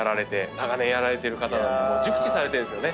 長年やられてる方なんでもう熟知されてるんですよね。